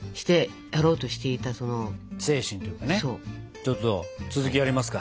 ちょっと続きやりますか。